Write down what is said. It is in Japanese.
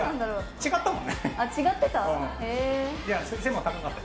違ってた？